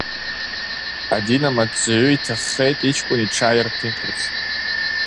Адин амаҵзуҩ иҭаххеит иҷкәын иҽааирҭынчырц.